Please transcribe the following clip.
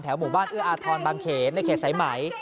แถวหมู่บ้านเอื้ออาทรณ์บางเขตในเขตไสมัย